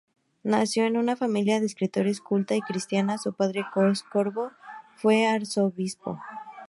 Nació en una familia de escritores, culta y cristiana, su padre Khosrov fue arzobispo.